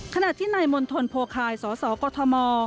ขณะที่นายมณฑลโพคายสสกม